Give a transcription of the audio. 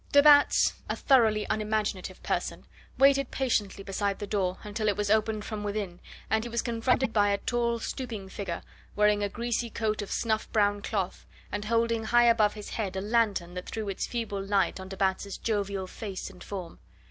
De Batz a thoroughly unimaginative person waited patiently beside the door until it was opened from within, and he was confronted by a tall stooping figure, wearing a greasy coat of snuff brown cloth, and holding high above his head a lanthorn that threw its feeble light on de Batz' jovial face and form.